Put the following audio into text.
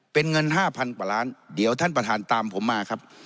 เป็นเงิน๕๐๐กว่าล้านเดี๋ยวท่านประธานตามผมมาครับ